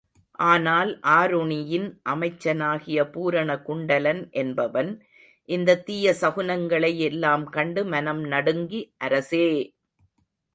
ஆனால் ஆருணியின் அமைச்சனாகிய பூரண குண்டலன் என்பவன், இந்தத் தீய சகுனங்களை எல்லாம் கண்டு மனம் நடுங்கி, அரசே!